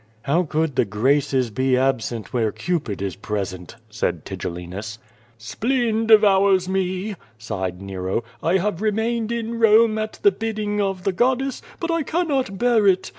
"How could the Graces be absent where Cupid is present," said Tigellinus. "Spleen devours me,^' sighed Nero. "I have remained in Rome at the bidding of Ihe goddess, but I cannot bear it.